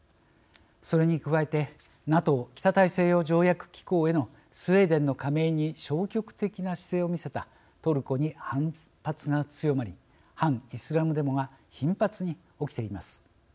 それに加えてＮＡＴＯ北大西洋条約機構へのスウェーデンの加盟に消極的な姿勢を見せたトルコに反発が強まり反イスラム・デモが頻発に起きています。